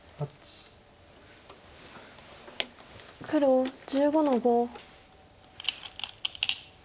黒１５の五。